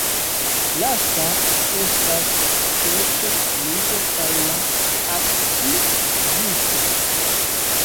Lasta estas skeĉo Luko kaj la akcizisto.